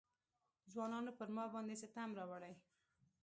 ځوانانو پر ما باندې ستم راوړی.